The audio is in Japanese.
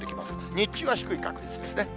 日中は低い確率ですね。